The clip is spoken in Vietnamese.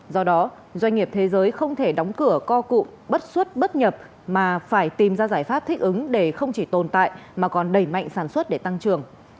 do đó doanh nghiệp thế giới không thể đóng cửa co cụ bất suất bất nhập mà phải tìm ra giải pháp thích ứng để không chỉ tồn tại mà còn đẩy mạnh sản xuất để tăng trưởng